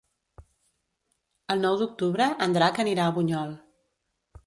El nou d'octubre en Drac anirà a Bunyol.